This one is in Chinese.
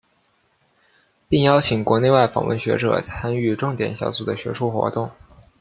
并邀请国内外访问学者参与重点小组的学术活动。